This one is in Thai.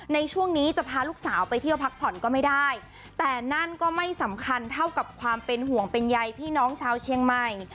ในช่วงนี้จะพาลูกสาวไปเที่ยวพักผ่อนก็ไม่ได้แต่นั่นก็ไม่สำคัญเท่ากับความเป็นห่วงเป็นใยพี่น้องชาวเชียงใหม่